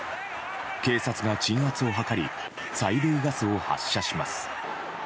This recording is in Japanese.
警察が鎮圧を図り催涙ガスを発射します。